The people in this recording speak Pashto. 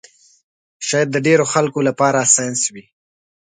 شاید د ډېرو خلکو لپاره ساینس وي